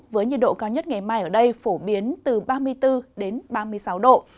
với nhiệt độ cao nhất ngày mai ở đây phổ biến từ ba mươi bốn đến ba mươi sáu độ